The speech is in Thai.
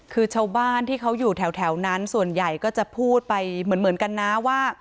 คือชาวบ้านที่เขาอยู่แถวนั้นส่วนใหญ่ก็จะพูดไปเหมือนกันนะว่า